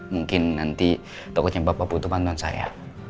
mungkin nanti toko cempa bapak butuh bantuan saya